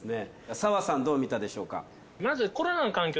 澤さんどう見たでしょうか？